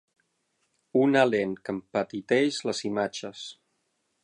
Una lent que empetiteix les imatges.